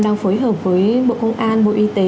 đang phối hợp với bộ công an bộ y tế